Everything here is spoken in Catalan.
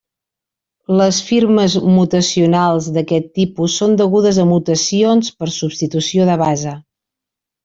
Les firmes mutacionals d’aquest tipus són degudes a mutacions per substitució de base.